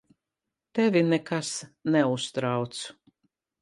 Tevi nekas neuztrauc.